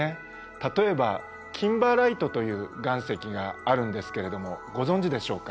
例えばキンバーライトという岩石があるんですけれどもご存じでしょうか？